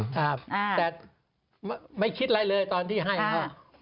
แต่ไม่คิดอะไรเลยตอนที่ให้อีก